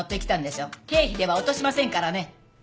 経費では落としませんからね。